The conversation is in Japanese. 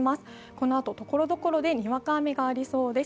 このあと、ところどころでにわか雨がありそうです。